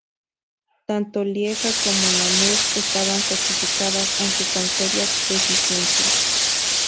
Tanto Lieja como Namur estaban fortificadas, aunque con serias deficiencias.